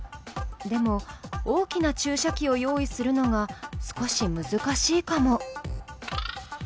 でも大きな注射器を用意するのが少し難しいかも。